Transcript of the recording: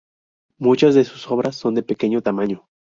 Muchas de sus obras son de pequeño tamaño.